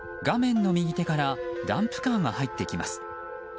画面の右手からダンプカーが入ってきます。